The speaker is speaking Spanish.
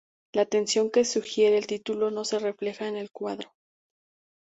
La tensión que sugiere el título no se refleja en el cuadro.